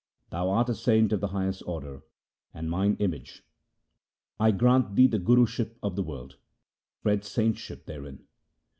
Thou art a saint of the highest order, and mine image. I grant thee the Guruship of the world! Spread saintship therein.'